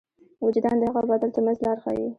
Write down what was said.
وجدان د حق او باطل تر منځ لار ښيي.